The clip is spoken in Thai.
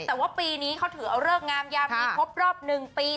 แต่ว่าปีนี้เขาถือเอาเลิกงามยามดีครบรอบ๑ปี